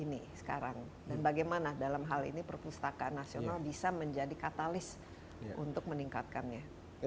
ini sekarang dan bagaimana dalam hal ini perpustakaan nasional bisa menjadi katalis untuk meningkatkannya